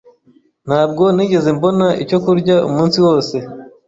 Ntabwo nigeze mbona icyo kurya umunsi wose.